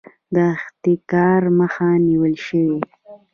د احتکار مخه نیول شوې؟